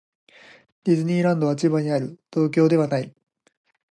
ディズニーランドは千葉にある。東京ではない。